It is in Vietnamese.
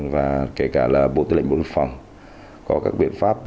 và kể cả là bộ tư lệnh bộ đội biên phòng có các biện pháp